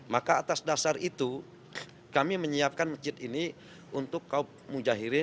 maka atas dasar itu kami menyiapkan masjid ini untuk kaum mujahirin